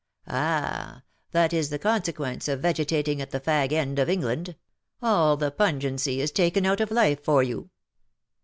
" Ah ! that is the consequence of vegetating: at the fag end of England : all the pungency is taken out of life for you."